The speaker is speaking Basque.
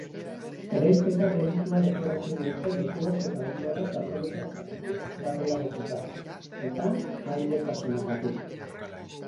Erailketa delitua leporatu diote lekuaz eta denboraz aprobetxatzeagatik larriagotuta, eta ahaidetasunagatik.